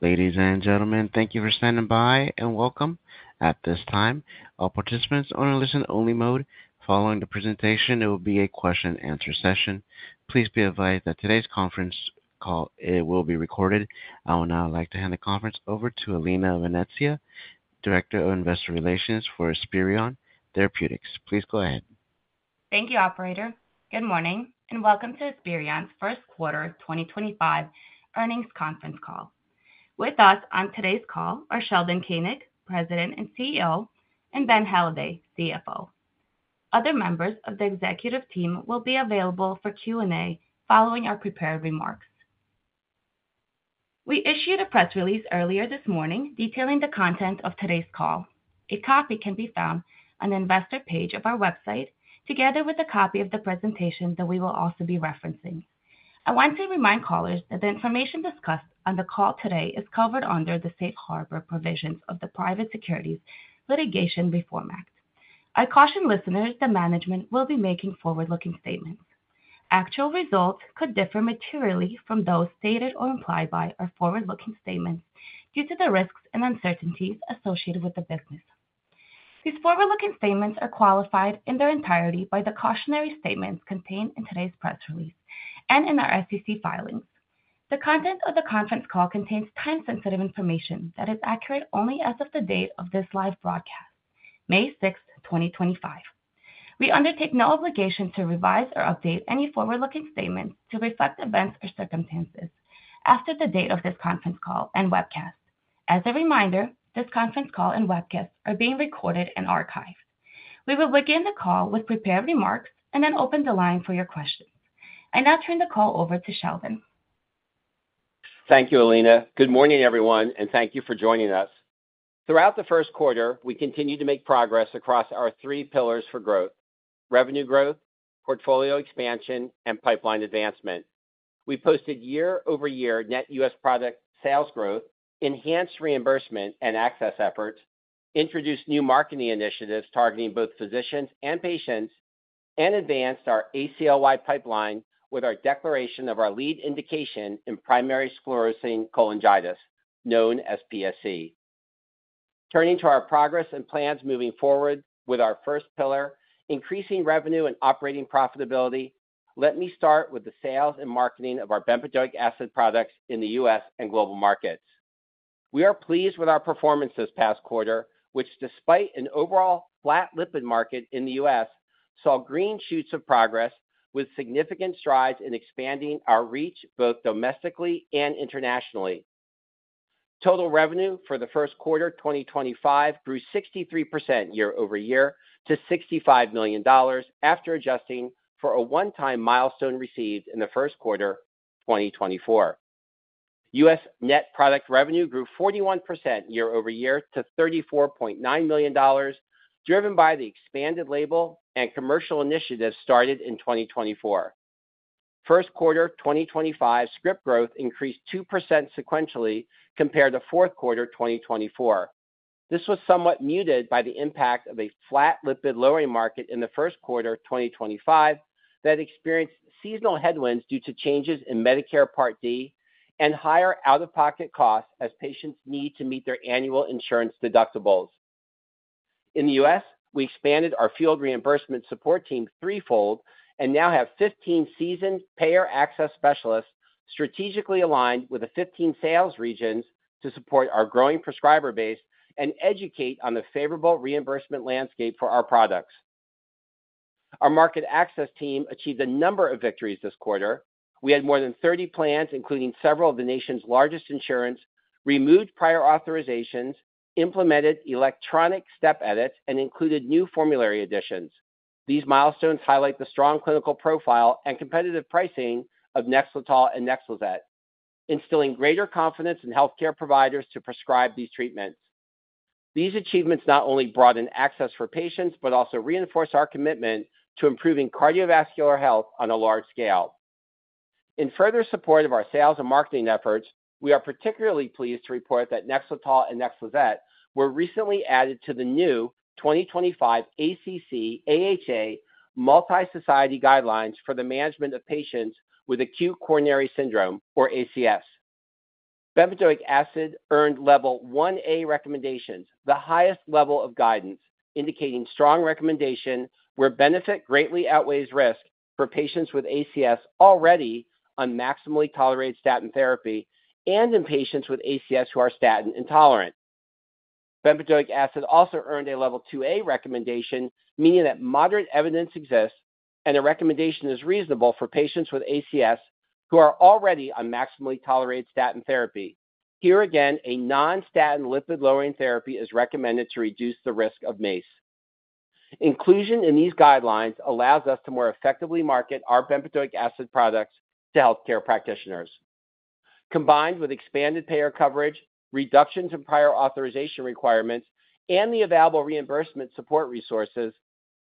Ladies and gentlemen, thank you for standing by and welcome. At this time, all participants are in listen-only mode. Following the presentation, there will be a question-and-answer session. Please be advised that today's conference call will be recorded. I would now like to hand the conference over to Alina Venezia, Director of Investor Relations for Esperion Therapeutics. Please go ahead. Thank you, Operator. Good morning and welcome to Esperion's first quarter 2025 earnings conference call. With us on today's call are Sheldon Koenig, President and CEO, and Ben Halladay, CFO. Other members of the executive team will be available for Q&A following our prepared remarks. We issued a press release earlier this morning detailing the content of today's call. A copy can be found on the investor page of our website, together with a copy of the presentation that we will also be referencing. I want to remind callers that the information discussed on the call today is covered under the Safe Harbor provisions of the Private Securities Litigation Reform Act. I caution listeners that management will be making forward-looking statements. Actual results could differ materially from those stated or implied by our forward-looking statements due to the risks and uncertainties associated with the business. These forward-looking statements are qualified in their entirety by the cautionary statements contained in today's press release and in our SEC filings. The content of the conference call contains time-sensitive information that is accurate only as of the date of this live broadcast, May 6th, 2025. We undertake no obligation to revise or update any forward-looking statements to reflect events or circumstances after the date of this conference call and webcast. As a reminder, this conference call and webcast are being recorded and archived. We will begin the call with prepared remarks and then open the line for your questions. I now turn the call over to Sheldon. Thank you, Alina. Good morning, everyone, and thank you for joining us. Throughout the first quarter, we continued to make progress across our three pillars for growth: revenue growth, portfolio expansion, and pipeline advancement. We posted year-over-year net U.S. product sales growth, enhanced reimbursement and access efforts, introduced new marketing initiatives targeting both physicians and patients, and advanced our ACLY pipeline with our declaration of our lead indication in primary sclerosing cholangitis, known as PSC. Turning to our progress and plans moving forward with our first pillar, increasing revenue and operating profitability, let me start with the sales and marketing of our bempedoic acid products in the U.S. and global markets. We are pleased with our performance this past quarter, which, despite an overall flat lipid market in the U.S., saw green shoots of progress with significant strides in expanding our reach both domestically and internationally. Total revenue for the first quarter 2025 grew 63% year-over-year to $65 million after adjusting for a one-time milestone received in the first quarter 2024. U.S. net product revenue grew 41% year-over-year to $34.9 million, driven by the expanded label and commercial initiatives started in 2024. First quarter 2025 script growth increased 2% sequentially compared to fourth quarter 2024. This was somewhat muted by the impact of a flat lipid lowering market in the first quarter 2025 that experienced seasonal headwinds due to changes in Medicare Part D and higher out-of-pocket costs as patients need to meet their annual insurance deductibles. In the U.S., we expanded our field reimbursement support team threefold and now have 15 seasoned payer access specialists strategically aligned with the 15 sales regions to support our growing prescriber base and educate on the favorable reimbursement landscape for our products. Our market access team achieved a number of victories this quarter. We had more than 30 plans, including several of the nation's largest insurance, remove prior authorizations, implement electronic step edits, and include new formulary additions. These milestones highlight the strong clinical profile and competitive pricing of NEXLETOL and NEXLIZET, instilling greater confidence in healthcare providers to prescribe these treatments. These achievements not only broaden access for patients but also reinforce our commitment to improving cardiovascular health on a large scale. In further support of our sales and marketing efforts, we are particularly pleased to report that NEXLETOL and NEXLIZET were recently added to the new 2025 ACC/AHA Multi-Society Guidelines for the management of patients with acute coronary syndrome, or ACS. Bempedoic acid earned level 1A recommendations, the highest level of guidance, indicating strong recommendation where benefit greatly outweighs risk for patients with ACS already on maximally tolerated statin therapy and in patients with ACS who are statin intolerant. Bempedoic acid also earned a level 2A recommendation, meaning that moderate evidence exists and a recommendation is reasonable for patients with ACS who are already on maximally tolerated statin therapy. Here again, a non-statin lipid-lowering therapy is recommended to reduce the risk of MACE. Inclusion in these guidelines allows us to more effectively market our bempedoic acid products to healthcare practitioners. Combined with expanded payer coverage, reductions in prior authorization requirements, and the available reimbursement support resources,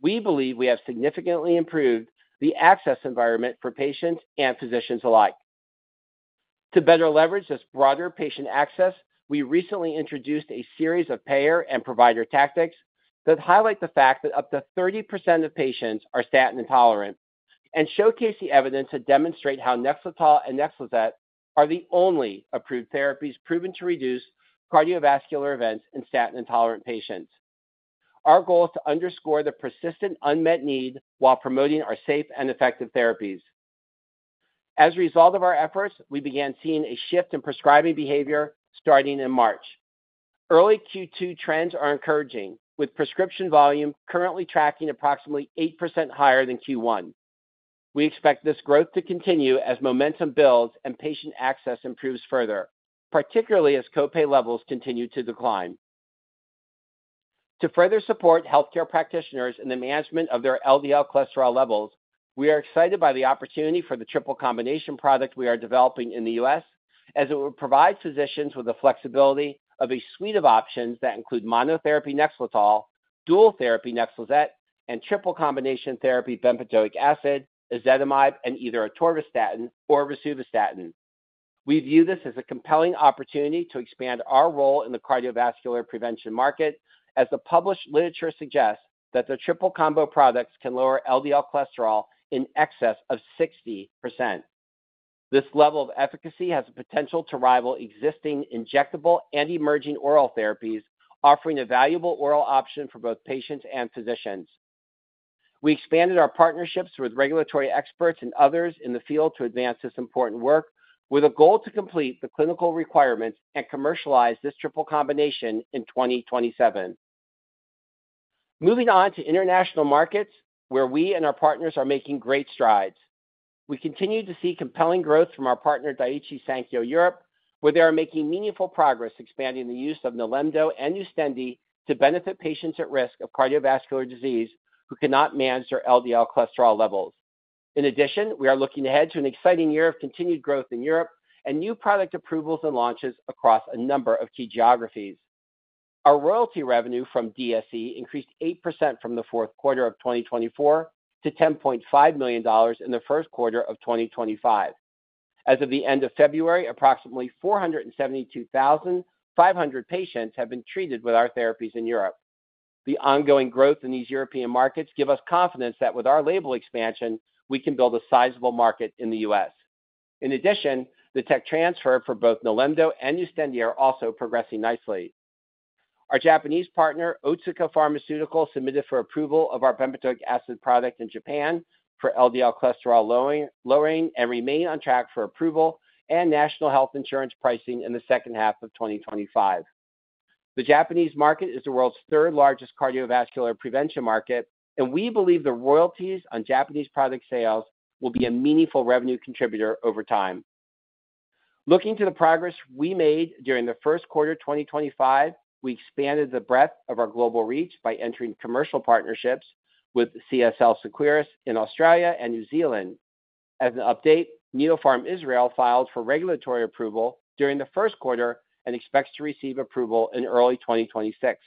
we believe we have significantly improved the access environment for patients and physicians alike. To better leverage this broader patient access, we recently introduced a series of payer and provider tactics that highlight the fact that up to 30% of patients are statin intolerant and showcase the evidence to demonstrate how NEXLETOL and NEXLIZET are the only approved therapies proven to reduce cardiovascular events in statin-intolerant patients. Our goal is to underscore the persistent unmet need while promoting our safe and effective therapies. As a result of our efforts, we began seeing a shift in prescribing behavior starting in March. Early Q2 trends are encouraging, with prescription volume currently tracking approximately 8% higher than Q1. We expect this growth to continue as momentum builds and patient access improves further, particularly as copay levels continue to decline. To further support healthcare practitioners in the management of their LDL cholesterol levels, we are excited by the opportunity for the triple combination product we are developing in the U.S., as it will provide physicians with the flexibility of a suite of options that include monotherapy NEXLETOL, dual therapy NEXLIZET, and triple combination therapy bempedoic acid, ezetimibe, and either atorvastatin or rosuvastatin. We view this as a compelling opportunity to expand our role in the cardiovascular prevention market, as the published literature suggests that the triple combo products can lower LDL cholesterol in excess of 60%. This level of efficacy has the potential to rival existing injectable and emerging oral therapies, offering a valuable oral option for both patients and physicians. We expanded our partnerships with regulatory experts and others in the field to advance this important work, with a goal to complete the clinical requirements and commercialize this triple combination in 2027. Moving on to international markets, where we and our partners are making great strides. We continue to see compelling growth from our partner Daiichi Sankyo Europe, where they are making meaningful progress expanding the use of NILEMDO and NUSTENDI to benefit patients at risk of cardiovascular disease who cannot manage their LDL cholesterol levels. In addition, we are looking ahead to an exciting year of continued growth in Europe and new product approvals and launches across a number of key geographies. Our royalty revenue from DSE increased 8% from the fourth quarter of 2024 to $10.5 million in the first quarter of 2025. As of the end of February, approximately 472,500 patients have been treated with our therapies in Europe. The ongoing growth in these European markets gives us confidence that with our label expansion, we can build a sizable market in the U.S. In addition, the tech transfer for both NILEMDO and NUSTENDI are also progressing nicely. Our Japanese partner, Otsuka Pharmaceutical, submitted for approval of our bempedoic acid product in Japan for LDL cholesterol lowering and remains on track for approval and national health insurance pricing in the second half of 2025. The Japanese market is the world's third-largest cardiovascular prevention market, and we believe the royalties on Japanese product sales will be a meaningful revenue contributor over time. Looking to the progress we made during the first quarter 2025, we expanded the breadth of our global reach by entering commercial partnerships with CSL Seqirus in Australia and New Zealand. As an update, Neopharm Israel filed for regulatory approval during the first quarter and expects to receive approval in early 2026.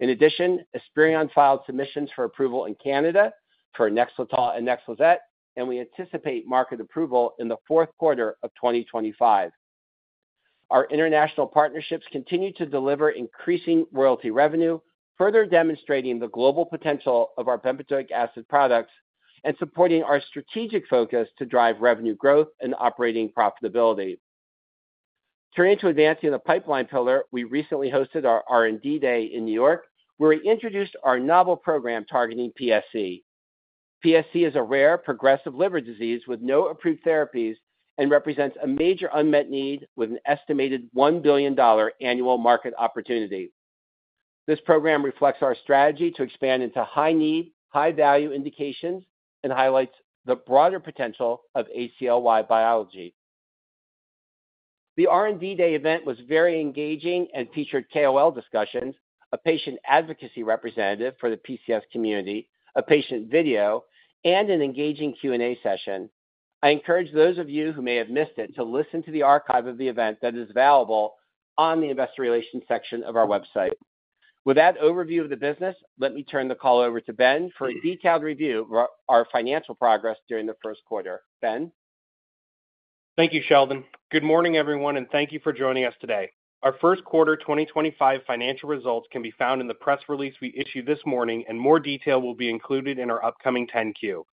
In addition, Esperion filed submissions for approval in Canada for NEXLETOL and NEXLIVET, and we anticipate market approval in the fourth quarter of 2025. Our international partnerships continue to deliver increasing royalty revenue, further demonstrating the global potential of our bempedoic acid products and supporting our strategic focus to drive revenue growth and operating profitability. Turning to advancing the pipeline pillar, we recently hosted our R&D Day in New York, where we introduced our novel program targeting PSC. PSC is a rare progressive liver disease with no approved therapies and represents a major unmet need with an estimated $1 billion annual market opportunity. This program reflects our strategy to expand into high-need, high-value indications and highlights the broader potential of ACLY biology. The R&D Day event was very engaging and featured KOL discussions, a patient advocacy representative for the PCS community, a patient video, and an engaging Q&A session. I encourage those of you who may have missed it to listen to the archive of the event that is available on the Investor Relations section of our website. With that overview of the business, let me turn the call over to Ben for a detailed review of our financial progress during the first quarter. Ben? Thank you, Sheldon. Good morning, everyone, and thank you for joining us today. Our first quarter 2025 financial results can be found in the press release we issued this morning, and more detail will be included in our upcoming 10-Q.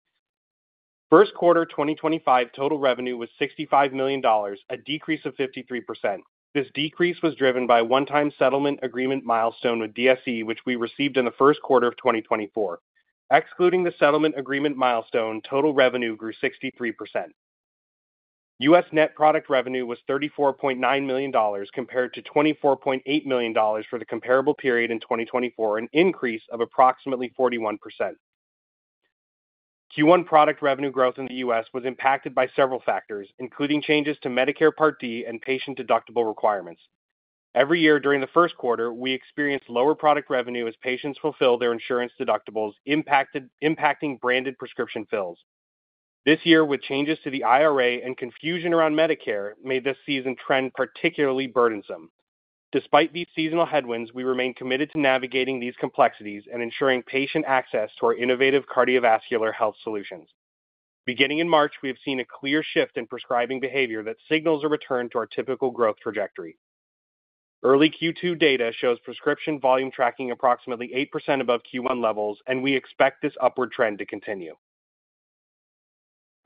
First quarter 2025 total revenue was $65 million, a decrease of 53%. This decrease was driven by a one-time settlement agreement milestone with DSE, which we received in the first quarter of 2024. Excluding the settlement agreement milestone, total revenue grew 63%. U.S. net product revenue was $34.9 million, compared to $24.8 million for the comparable period in 2024, an increase of approximately 41%. Q1 product revenue growth in the U.S. was impacted by several factors, including changes to Medicare Part D and patient deductible requirements. Every year during the first quarter, we experienced lower product revenue as patients fulfill their insurance deductibles, impacting branded prescription fills. This year, with changes to the IRA and confusion around Medicare, made this season trend particularly burdensome. Despite these seasonal headwinds, we remain committed to navigating these complexities and ensuring patient access to our innovative cardiovascular health solutions. Beginning in March, we have seen a clear shift in prescribing behavior that signals a return to our typical growth trajectory. Early Q2 data shows prescription volume tracking approximately 8% above Q1 levels, and we expect this upward trend to continue.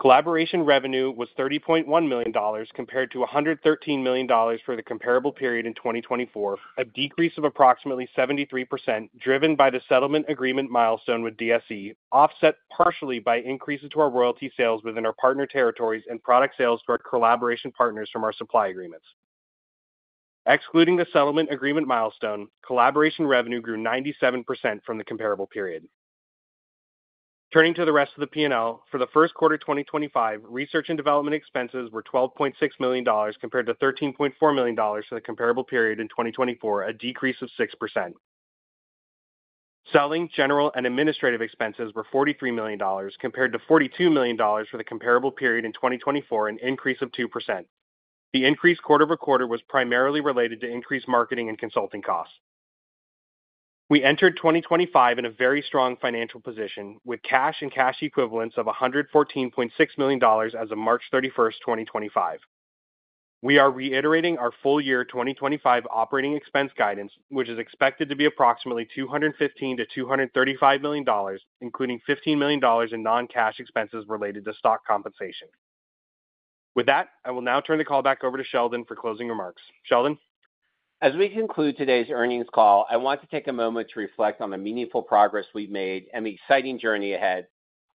Collaboration revenue was $30.1 million, compared to $113 million for the comparable period in 2024, a decrease of approximately 73%, driven by the settlement agreement milestone with DSE, offset partially by increases to our royalty sales within our partner territories and product sales to our collaboration partners from our supply agreements. Excluding the settlement agreement milestone, collaboration revenue grew 97% from the comparable period. Turning to the rest of the P&L, for the first quarter 2025, research and development expenses were $12.6 million, compared to $13.4 million for the comparable period in 2024, a decrease of 6%. Selling, general, and administrative expenses were $43 million, compared to $42 million for the comparable period in 2024, an increase of 2%. The increase quarter-over-quarter was primarily related to increased marketing and consulting costs. We entered 2025 in a very strong financial position, with cash and cash equivalents of $114.6 million as of March 31st, 2025. We are reiterating our full-year 2025 operating expense guidance, which is expected to be approximately $215-$235 million, including $15 million in non-cash expenses related to stock compensation. With that, I will now turn the call back over to Sheldon for closing remarks. Sheldon? As we conclude today's earnings call, I want to take a moment to reflect on the meaningful progress we've made and the exciting journey ahead.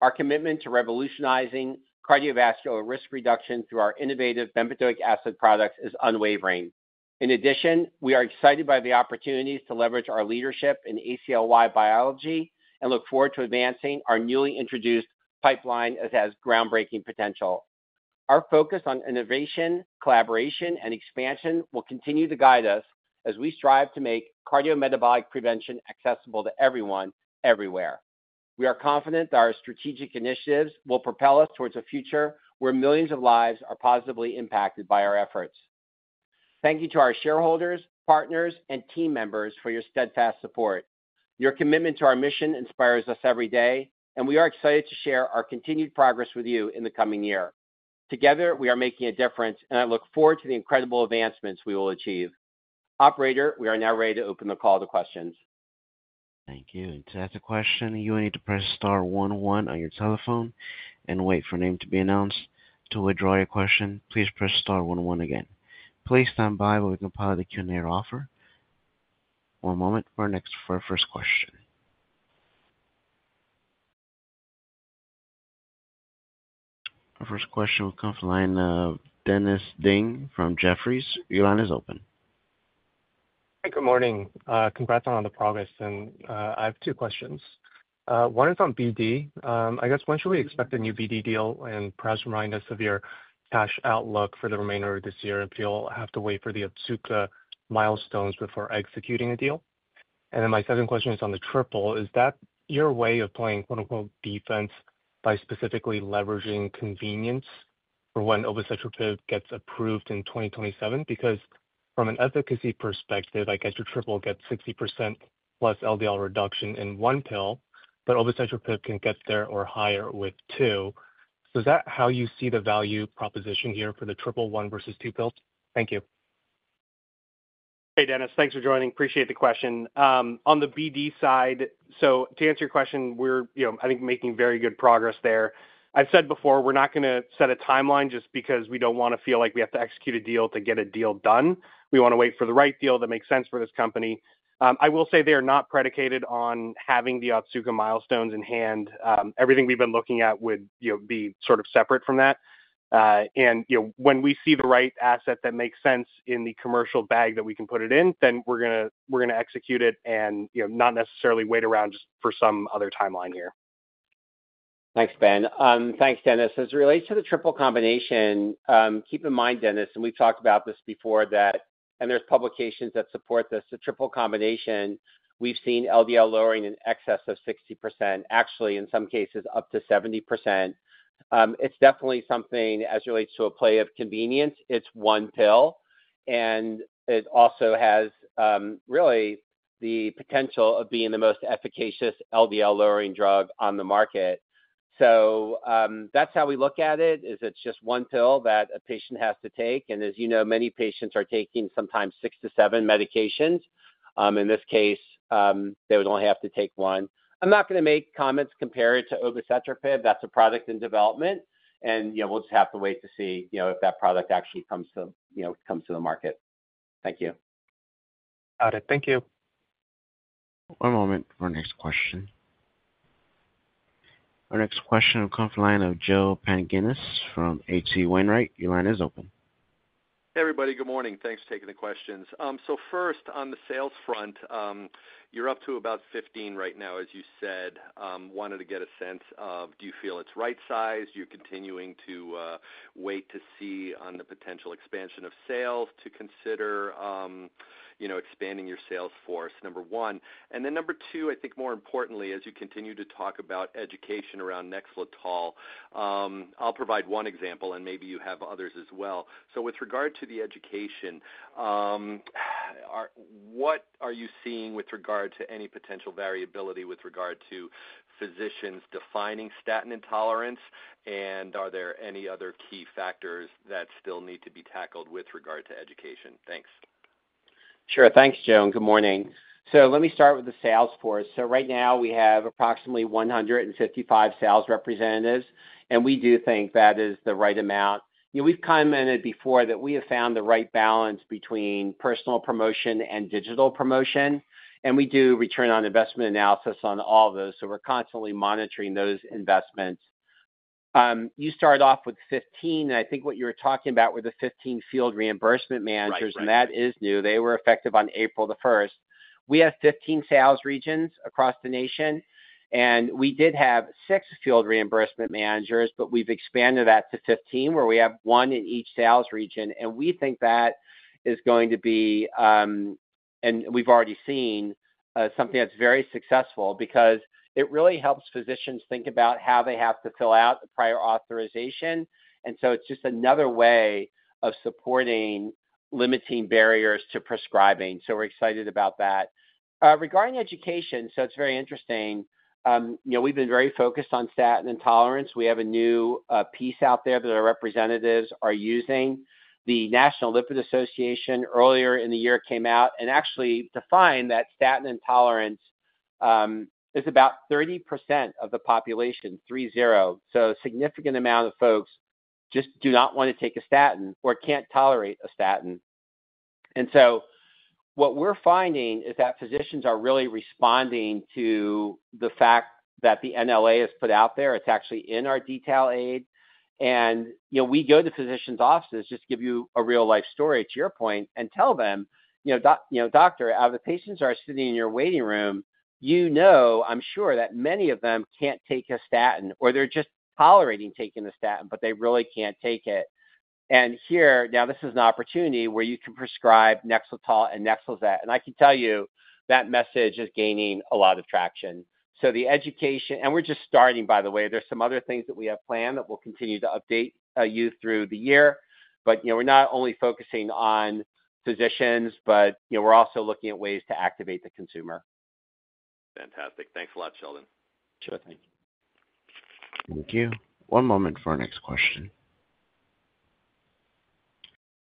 Our commitment to revolutionizing cardiovascular risk reduction through our innovative bempedoic acid products is unwavering. In addition, we are excited by the opportunities to leverage our leadership in ACLY biology and look forward to advancing our newly introduced pipeline as it has groundbreaking potential. Our focus on innovation, collaboration, and expansion will continue to guide us as we strive to make cardiometabolic prevention accessible to everyone, everywhere. We are confident that our strategic initiatives will propel us towards a future where millions of lives are positively impacted by our efforts. Thank you to our shareholders, partners, and team members for your steadfast support. Your commitment to our mission inspires us every day, and we are excited to share our continued progress with you in the coming year. Together, we are making a difference, and I look forward to the incredible advancements we will achieve. Operator, we are now ready to open the call to questions. Thank you. To ask a question, you will need to press star 11 on your telephone and wait for a name to be announced. To withdraw your question, please press star 11 again. Please stand by while we compile the Q&A offer. One moment for our next first question. Our first question will come from Dennis Ding from Jefferies. Your line is open. Hi, good morning. Congrats on the progress. I have two questions. One is on BD. I guess, when should we expect a new BD deal and perhaps remind us of your cash outlook for the remainder of this year if you'll have to wait for the Otsuka milestones before executing a deal? My second question is on the triple. Is that your way of playing "defense" by specifically leveraging convenience for when obicetrapib gets approved in 2027? Because from an efficacy perspective, I guess your triple gets 60%+ LDL reduction in one pill, but obicetrapib can get there or higher with two. Is that how you see the value proposition here for the triple, one versus two pills? Thank you. Hey, Dennis, thanks for joining. Appreciate the question. On the BD side, to answer your question, we're, you know, I think, making very good progress there. I've said before, we're not going to set a timeline just because we don't want to feel like we have to execute a deal to get a deal done. We want to wait for the right deal that makes sense for this company. I will say they are not predicated on having the Otsuka milestones in hand. Everything we've been looking at would, you know, be sort of separate from that. You know, when we see the right asset that makes sense in the commercial bag that we can put it in, then we're going to execute it and, you know, not necessarily wait around just for some other timeline here. Thanks, Ben. Thanks, Dennis. As it relates to the triple combination, keep in mind, Dennis, and we've talked about this before, that, and there's publications that support this, the triple combination, we've seen LDL lowering in excess of 60%, actually, in some cases, up to 70%. It's definitely something, as it relates to a play of convenience, it's one pill. It also has really the potential of being the most efficacious LDL-lowering drug on the market. That's how we look at it, is it's just one pill that a patient has to take. As you know, many patients are taking sometimes six to seven medications. In this case, they would only have to take one. I'm not going to make comments compared to obicetrapib. That's a product in development. You know, we'll just have to wait to see, you know, if that product actually comes to, you know, comes to the market. Thank you. Got it. Thank you. One moment for our next question. Our next question will come from the line of Joe Pantginis from H.C. Wainwright. Your line is open. Hey, everybody. Good morning. Thanks for taking the questions. First, on the sales front, you're up to about 15 right now, as you said. Wanted to get a sense of, do you feel it's right size? Are you continuing to wait to see on the potential expansion of sales to consider, you know, expanding your sales force, number one? Then number two, I think more importantly, as you continue to talk about education around NEXLETOL, I'll provide one example, and maybe you have others as well. With regard to the education, what are you seeing with regard to any potential variability with regard to physicians defining statin intolerance? Are there any other key factors that still need to be tackled with regard to education? Thanks. Sure. Thanks, Joe. Good morning. Let me start with the sales force. Right now, we have approximately 155 sales representatives, and we do think that is the right amount. You know, we've commented before that we have found the right balance between personal promotion and digital promotion. We do return on investment analysis on all of those. We're constantly monitoring those investments. You start off with 15, and I think what you were talking about were the 15 field reimbursement managers. Right. That is new. They were effective on April the 1st. We have 15 sales regions across the nation, and we did have six field reimbursement managers, but we've expanded that to 15, where we have one in each sales region. We think that is going to be, and we've already seen, something that's very successful because it really helps physicians think about how they have to fill out a prior authorization. It is just another way of supporting limiting barriers to prescribing. We're excited about that. Regarding education, it's very interesting. You know, we've been very focused on statin intolerance. We have a new piece out there that our representatives are using. The National Lipid Association earlier in the year came out and actually defined that statin intolerance is about 30% of the population, three-zero. A significant amount of folks just do not want to take a statin or cannot tolerate a statin. What we are finding is that physicians are really responding to the fact that the NLA has put out there. It is actually in our detail aid. You know, we go to physicians' offices, just to give you a real-life story, to your point, and tell them, you know, "Doctor, out of the patients that are sitting in your waiting room, I am sure that many of them cannot take a statin, or they are just tolerating taking a statin, but they really cannot take it." Here, now, this is an opportunity where you can prescribe NEXLETOL and NEXLIZET. I can tell you that message is gaining a lot of traction. The education, and we are just starting, by the way. are some other things that we have planned that we will continue to update you through the year. But, you know, we are not only focusing on physicians, but, you know, we are also looking at ways to activate the consumer. Fantastic. Thanks a lot, Sheldon. Sure. Thank you. Thank you. One moment for our next question.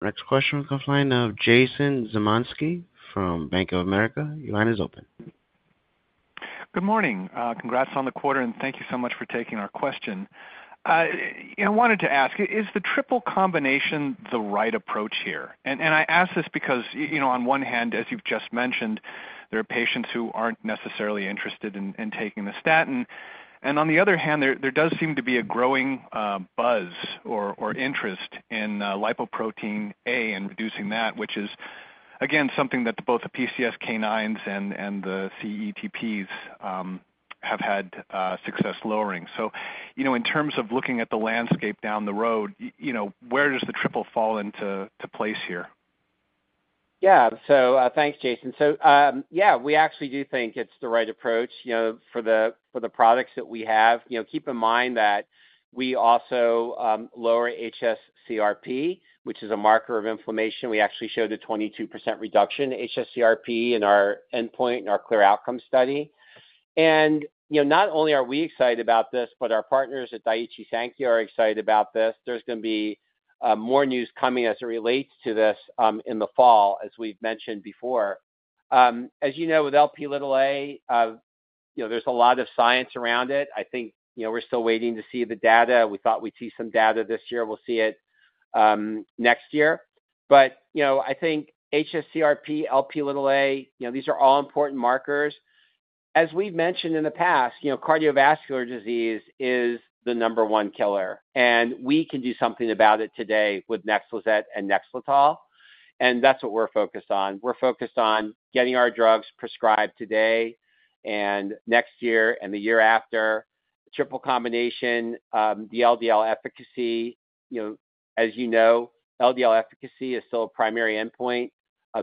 Next question will come from the line of Jason Zemansky from Bank of America. Your line is open. Good morning. Congrats on the quarter, and thank you so much for taking our question. I wanted to ask, is the triple combination the right approach here? I ask this because, you know, on one hand, as you've just mentioned, there are patients who aren't necessarily interested in taking the statin. On the other hand, there does seem to be a growing buzz or interest in lipoprotein A and reducing that, which is, again, something that both the PCSK9s and the CETPs have had success lowering. You know, in terms of looking at the landscape down the road, where does the triple fall into place here? Yeah. Thanks, Jason. Yeah, we actually do think it's the right approach, you know, for the products that we have. You know, keep in mind that we also lower hsCRP, which is a marker of inflammation. We actually showed a 22% reduction in hsCRP in our endpoint in our CLEAR Outcomes study. You know, not only are we excited about this, but our partners at Daiichi Sankyo are excited about this. There's going to be more news coming as it relates to this in the fall, as we've mentioned before. As you know, with Lp(a), you know, there's a lot of science around it. I think, you know, we're still waiting to see the data. We thought we'd see some data this year. We'll see it next year. You know, I think hsCRP, Lp(a), you know, these are all important markers. As we've mentioned in the past, you know, cardiovascular disease is the number one killer. We can do something about it today with NEXLIZET and NEXLETOL. That's what we're focused on. We're focused on getting our drugs prescribed today and next year and the year after. Triple combination, the LDL efficacy, you know, as you know, LDL efficacy is still a primary endpoint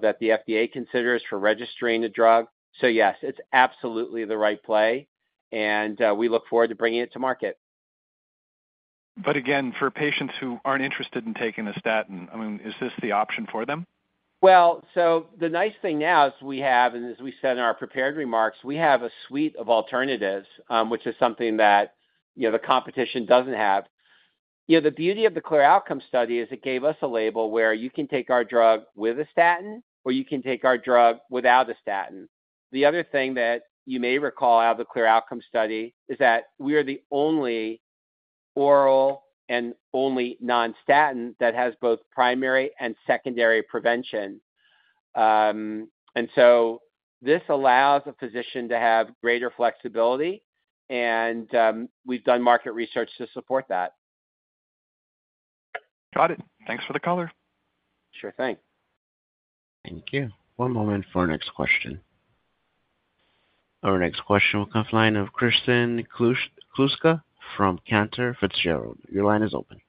that the FDA considers for registering a drug. Yes, it's absolutely the right play. We look forward to bringing it to market. For patients who aren't interested in taking a statin, I mean, is this the option for them? The nice thing now is we have, and as we said in our prepared remarks, we have a suite of alternatives, which is something that, you know, the competition doesn't have. You know, the beauty of the CLEAR Outcomes study is it gave us a label where you can take our drug with a statin, or you can take our drug without a statin. The other thing that you may recall out of the CLEAR Outcomes study is that we are the only oral and only non-statin that has both primary and secondary prevention. This allows a physician to have greater flexibility. We've done market research to support that. Got it. Thanks for the color. Sure thing. Thank you. One moment for our next question. Our next question will come from the line of Kristen Kluska from Cantor Fitzgerald. Your line is open.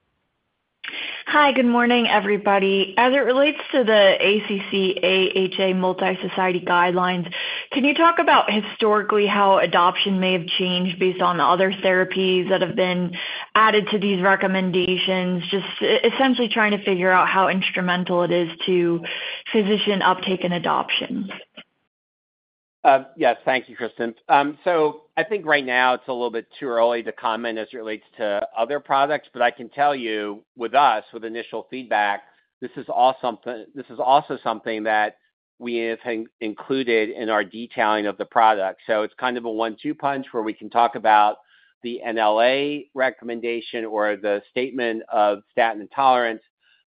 Hi, good morning, everybody. As it relates to the ACC/AHA Multi-Society Guidelines, can you talk about historically how adoption may have changed based on the other therapies that have been added to these recommendations, just essentially trying to figure out how instrumental it is to physician uptake and adoption? Yes. Thank you, Kristen. I think right now it's a little bit too early to comment as it relates to other products. I can tell you, with us, with initial feedback, this is also something that we have included in our detailing of the product. It's kind of a one-two punch where we can talk about the NLA recommendation or the statement of statin intolerance,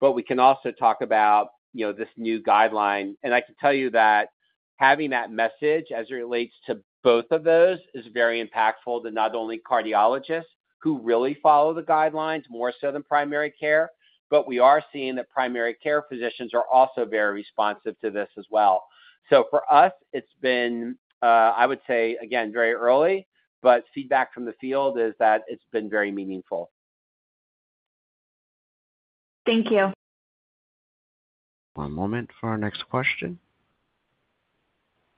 but we can also talk about, you know, this new guideline. I can tell you that having that message as it relates to both of those is very impactful to not only cardiologists who really follow the guidelines more so than primary care, but we are seeing that primary care physicians are also very responsive to this as well. For us, it's been, I would say, again, very early, but feedback from the field is that it's been very meaningful. Thank you. One moment for our next question.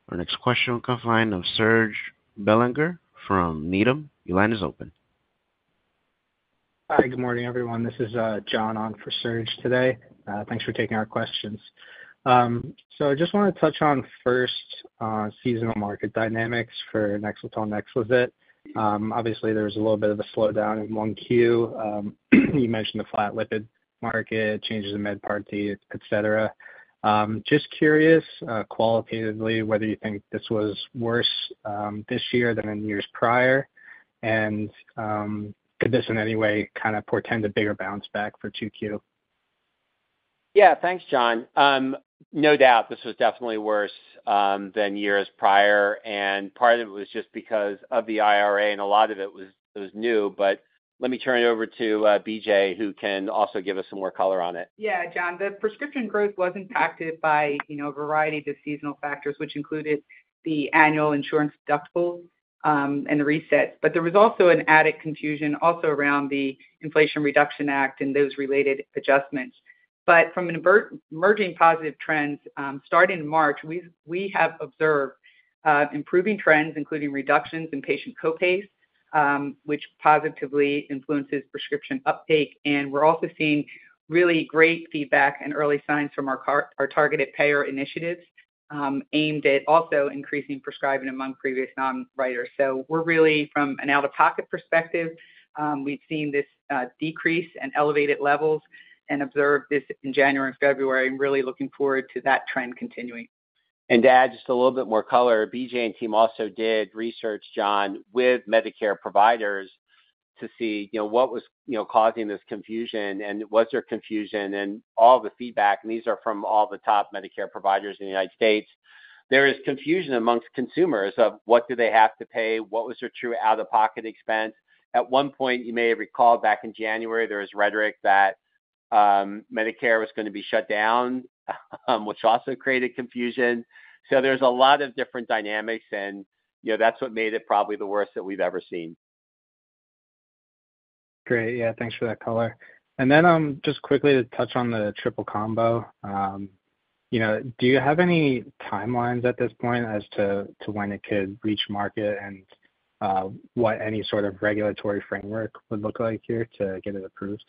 Our next question will come from the line of Serge Belanger from Needham. Your line is open. Hi, good morning, everyone. This is John on for Serge today. Thanks for taking our questions. I just want to touch on first seasonal market dynamics for NEXLETOL and NEXLIZET. Obviously, there was a little bit of a slowdown in 1Q. You mentioned the flat lipid market, changes in Med Part D, et cetera. Just curious qualitatively whether you think this was worse this year than in years prior. Could this in any way kind of portend a bigger bounce back for 2Q? Yeah. Thanks, John. No doubt, this was definitely worse than years prior. Part of it was just because of the IRA, and a lot of it was new. Let me turn it over to BJ, who can also give us some more color on it. Yeah, John. The prescription growth was impacted by, you know, a variety of the seasonal factors, which included the annual insurance deductible and the resets. There was also an added confusion also around the Inflation Reduction Act and those related adjustments. From emerging positive trends starting in March, we have observed improving trends, including reductions in patient copays, which positively influences prescription uptake. We're also seeing really great feedback and early signs from our targeted payer initiatives aimed at also increasing prescribing among previous non-writers. We're really, from an out-of-pocket perspective, we've seen this decrease and elevated levels and observed this in January and February, and really looking forward to that trend continuing. To add just a little bit more color, BJ and team also did research, John, with Medicare providers to see, you know, what was, you know, causing this confusion and was there confusion and all the feedback. These are from all the top Medicare providers in the United States. There is confusion amongst consumers of what do they have to pay. What was their true out-of-pocket expense? At one point, you may have recalled back in January, there was rhetoric that Medicare was going to be shut down, which also created confusion. There are a lot of different dynamics, and, you know, that's what made it probably the worst that we've ever seen. Great. Yeah. Thanks for that color. And then just quickly to touch on the triple combo, you know, do you have any timelines at this point as to when it could reach market and what any sort of regulatory framework would look like here to get it approved?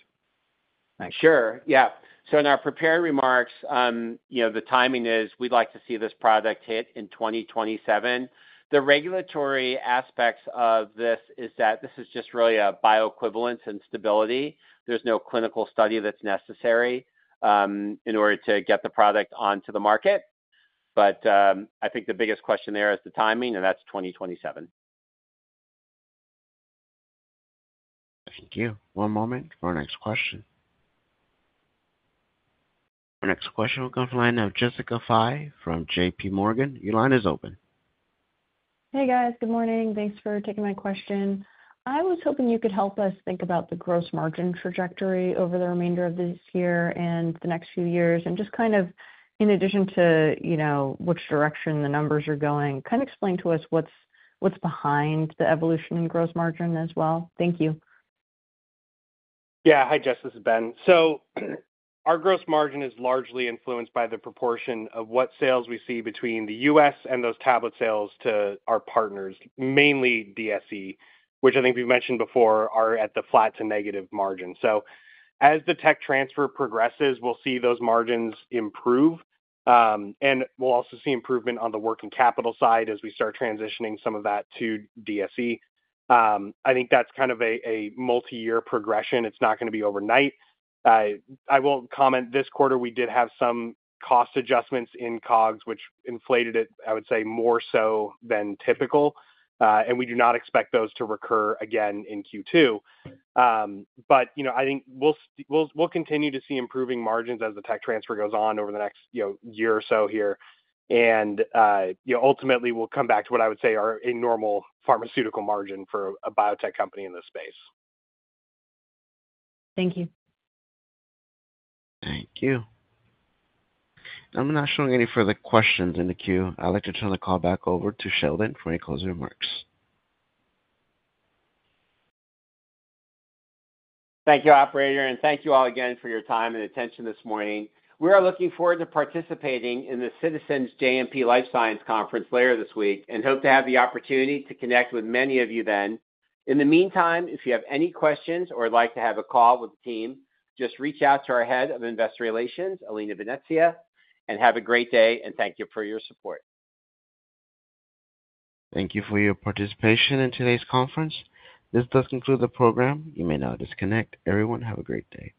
Sure. Yeah. So in our prepared remarks, you know, the timing is we'd like to see this product hit in 2027. The regulatory aspects of this is that this is just really a bioequivalence and stability. There's no clinical study that's necessary in order to get the product onto the market. I think the biggest question there is the timing, and that's 2027. Thank you. One moment for our next question. Our next question will come from the line of Jessica Fye from JPMorgan. Your line is open. Hey, guys. Good morning. Thanks for taking my question. I was hoping you could help us think about the gross margin trajectory over the remainder of this year and the next few years. Just kind of in addition to, you know, which direction the numbers are going, kind of explain to us what's behind the evolution in gross margin as well. Thank you. Yeah. Hi, Jess. This is Ben. Our gross margin is largely influenced by the proportion of what sales we see between the U.S. and those tablet sales to our partners, mainly DSE, which I think we have mentioned before are at the flat to negative margin. As the tech transfer progresses, we will see those margins improve. We will also see improvement on the working capital side as we start transitioning some of that to DSE. I think that is kind of a multi-year progression. It is not going to be overnight. I will not comment. This quarter, we did have some cost adjustments in COGS, which inflated it, I would say, more so than typical. We do not expect those to recur again in Q2. You know, I think we will continue to see improving margins as the tech transfer goes on over the next, you know, year or so here. You know, ultimately, we'll come back to what I would say are a normal pharmaceutical margin for a biotech company in this space. Thank you. Thank you. I'm not showing any further questions in the queue. I'd like to turn the call back over to Sheldon for any closing remarks. Thank you, operator. Thank you all again for your time and attention this morning. We are looking forward to participating in the Citizens JMP Life Science Conference later this week and hope to have the opportunity to connect with many of you then. In the meantime, if you have any questions or would like to have a call with the team, just reach out to our Head of Investor Relations, Alina Venezia. Have a great day. Thank you for your support. Thank you for your participation in today's conference. This does conclude the program. You may now disconnect. Everyone, have a great day.